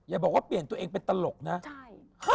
อย่าบอกว่าเปลี่ยนตัวเองเป็นตลกนะใช่